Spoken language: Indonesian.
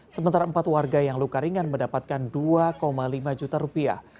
sementara empat warga yang luka ringan mendapatkan dua lima juta rupiah